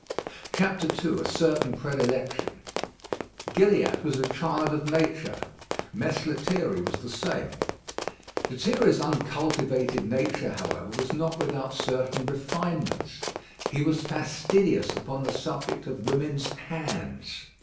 II A CERTAIN PREDILECTION Gilliatt was a child of Nature. Mess Lethierry was the same. Lethierry's uncultivated nature, however, was not without certain refinements. He was fastidious upon the subject of women's hands.